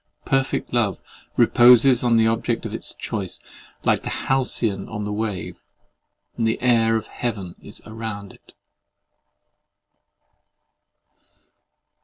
Perfect love reposes on the object of its choice, like the halcyon on the wave; and the air of heaven is around it.